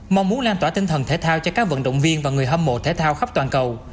mong muốn lan tỏa tinh thần thể thao cho các vận động viên và người hâm mộ thể thao khắp toàn cầu